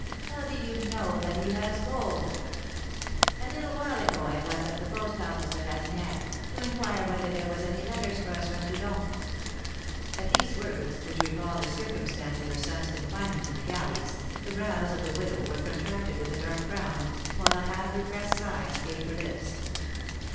"How do you know that he has gold?" "A little while ago I was at the post office at Asnières, to inquire whether there was any letter for us from Toulon " At these words, which recalled the circumstance of her son's confinement in the galleys, the brows of the widow were contracted with a dark frown, while a half repressed sigh escaped her lips.